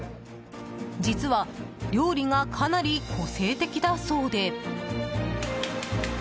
実は料理がかなり個性的だそうで。